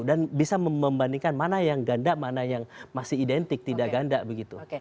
bisa membandingkan mana yang ganda mana yang masih identik tidak ganda begitu